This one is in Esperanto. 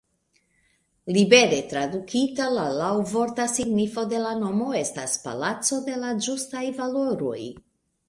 Libere tradukita, la laŭvorta signifo de la nomo estas: "Palaco de la Ĝustaj Valoroj".